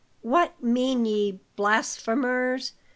"What mean ye, blasphemers?"